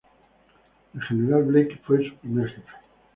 El General Blake fue su primer Jefe.